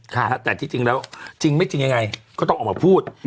แต่ที่จริงแล้วจริงไม่จริงยังไงก็ต้องออกมาพูด